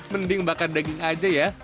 mending bakar daging aja ya